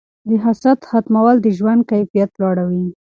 د حسد ختمول د ژوند کیفیت لوړوي.